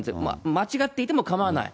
間違っていてもかまわない。